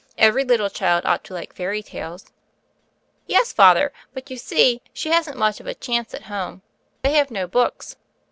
"Every little child ought to like fairy tales." "Yes, Father; but you see she hasn't much of a chance at home. They have no books."